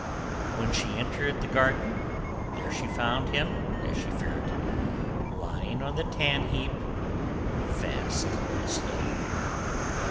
When she entered the garden, there she found him as she had feared, lying on the tan heap, fast asleep.